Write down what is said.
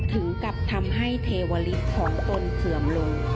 ถึงกับทำให้เทวลิศของตนเสื่อมลง